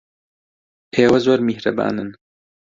ئێوە زۆر میهرەبانن.